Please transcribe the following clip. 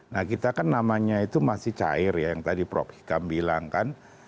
nah kita kan namanya itu masih cair ya yang tadi prof hikam bilang kan